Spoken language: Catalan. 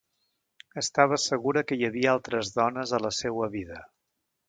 Estava segura que hi havia altres dones a la seua vida.